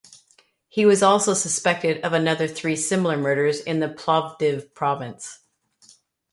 He was also suspected of another three similar murders in the Plovdiv Province.